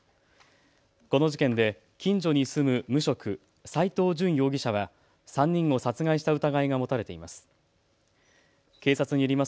この事件で近所に住む無職、斎藤淳容疑者は３人を殺害した疑いが持たれています。